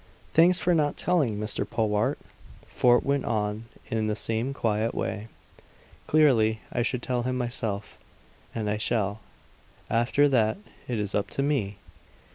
"Thanks for not telling Mr. Powart," Fort went on in the same quiet way. "Clearly, I should tell him myself. And I shall. After that it is up to me!"